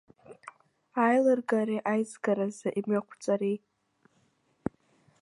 Аилыргареи аизгаразы имҩақәҵареи.